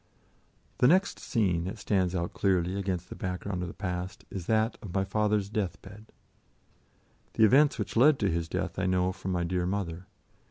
The next scene that stands out clearly against the background of the past is that of my father's death bed. The events which led to his death I know from my dear mother.